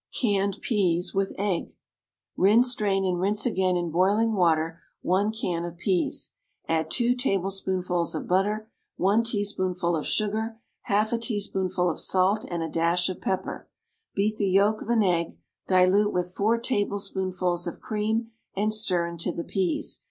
=Canned Peas with Egg.= Rinse, drain, and rinse again in boiling water one can of peas. Add two tablespoonfuls of butter, one teaspoonful of sugar, half a teaspoonful of salt and a dash of pepper. Beat the yolk of an egg, dilute with four tablespoonfuls of cream, and stir into the peas.